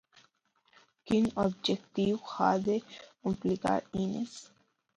Quin objectiu ha de complir Enees?